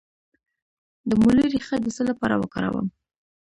د مولی ریښه د څه لپاره وکاروم؟